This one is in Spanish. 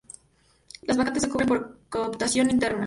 Las vacantes se cubren por cooptación interna.